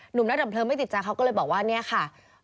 หนุ่มหน้าดำเพลิงไม่ติดจากเขาก็เลยบอกว่าเนี่ยค่ะ